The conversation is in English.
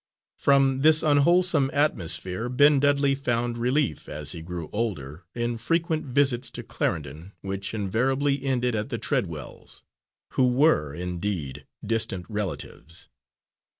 From this unwholesome atmosphere Ben Dudley found relief, as he grew older, in frequent visits to Clarendon, which invariably ended at the Treadwells', who were, indeed, distant relatives.